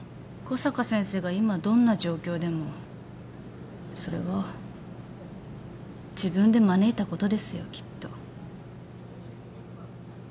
小坂先生が今どんな状況でもそれは自分で招いたことですよきっと。